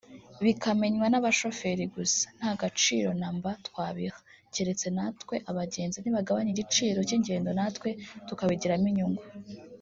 bikamenywa n’abashoferi gusa nta gaciro namba twabiha keretse natwe abagenzi nibagabanya igiciro cy’ingendo natwe tukabigiramo inyungu”